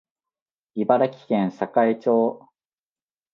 茨城県境町